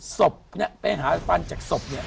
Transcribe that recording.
ศพไปหาฟันจากศพ